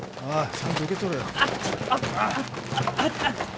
ちゃんと受け取れよ！